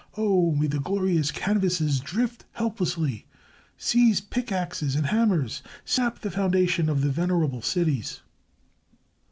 Oh! may the glorious canvases drift helplessly! Seize pick axes and hammers! Sap the foundations of the venerable cities!